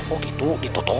oh gitu gitu tuh